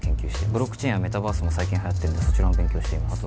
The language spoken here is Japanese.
ブロックチェーンやメタバースも最近はやってるんでそちらも勉強しています